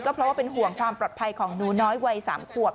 ก็เพราะว่าเป็นห่วงความประอบพันธ์ของลูกน้อยวัยสามขวบ